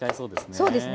そうですね。